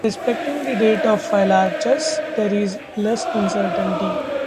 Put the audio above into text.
Respecting the date of Phylarchus there is less uncertainty.